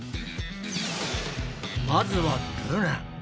まずはルナ。